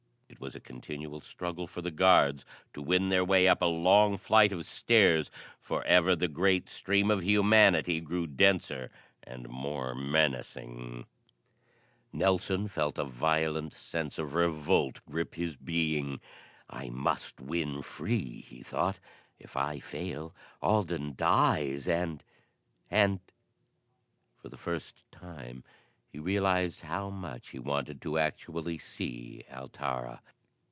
It was a continual struggle for the guards to win their way up a long flight of stairs, for ever the great stream of humanity grew denser and more menacing. Nelson felt a violent sense of revolt grip his being. "I must win free," he thought. "If I fail, Alden dies, and and " For the first time he realised how much he wanted to actually see Altara.